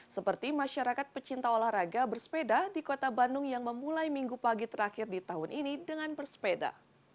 seperti masyarakat pecinta olahraga bersepeda di kota bandung yang memulai minggu pagi terakhir di tahun ini dengan bersepeda